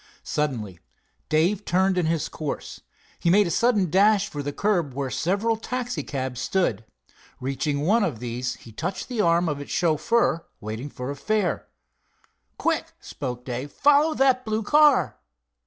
Suddenly Dave turned in his course. He made a sudden dash for the curb where several taxicabs stood. Reaching one, of these, he touched the arm of its chauffeur waiting for a fare. "Quick," spoke Dave, "follow that blue car."